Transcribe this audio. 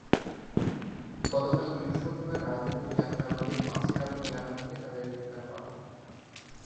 গতকাল বৃহস্পতিবার রাজধানীর যাত্রাবাড়ীর মাছের আড়ত এলাকা থেকে তাঁদের গ্রেপ্তার করা হয়।